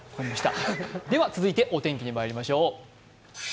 では続いてお天気にまいりましょう。